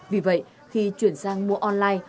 vì vậy khi chuyển sang mua online